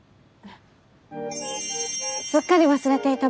すっかり忘れていた